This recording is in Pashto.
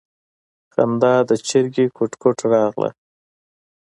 خندا د چرگې کوټ کوټ راغله.